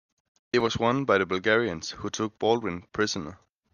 It was won by the Bulgarians, who took Baldwin prisoner.